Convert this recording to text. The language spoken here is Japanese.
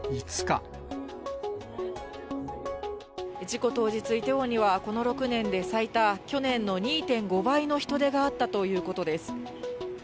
事故当日、イテウォンには、この６年で最多、去年の２．５倍の人出があったということです。